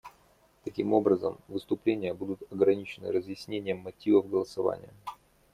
Таким образом, выступления будут ограничены разъяснением мотивов голосования.